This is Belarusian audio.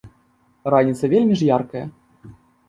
Раніца вельмі ж яркая.